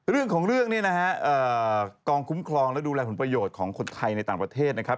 เรื่องของเรื่องนี้นะฮะกองคุ้มครองและดูแลผลประโยชน์ของคนไทยในต่างประเทศนะครับ